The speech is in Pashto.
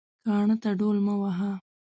کاڼه ته ډول مه وهه